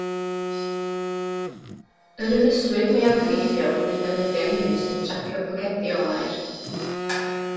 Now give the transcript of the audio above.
Yr ynyswyr mwyaf effeithiol ydy'r defnyddiau hynny sy'n trapio pocedi o aer.